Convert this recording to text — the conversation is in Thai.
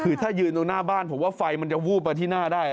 คือถ้ายืนตรงหน้าบ้านผมว่าไฟมันจะวูบมาที่หน้าได้